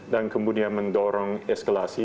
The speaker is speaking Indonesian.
dan kemudian mendorong eskalasi